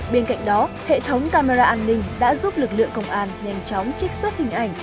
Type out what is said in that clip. bên cạnh đó hệ thống camera an ninh đã giúp lực lượng công an nhanh chóng trích xuất hình ảnh